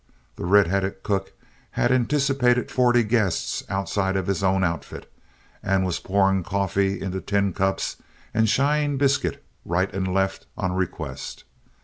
The red headed cook had anticipated forty guests outside of his own outfit, and was pouring coffee into tin cups and shying biscuit right and left on request.